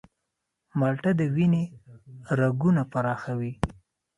مالټه د وینې رګونه پراخوي.